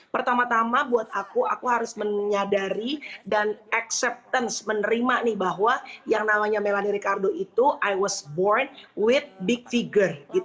pertama tama buat aku aku harus menyadari dan acceptance menerima nih bahwa yang namanya melani ricardo itu i was board with big figure